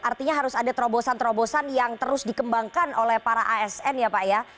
artinya harus ada terobosan terobosan yang terus dikembangkan oleh para asn ya pak ya